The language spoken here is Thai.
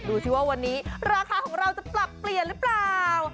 ดูสิว่าวันนี้ราคาของเราจะปรับเปลี่ยนหรือเปล่า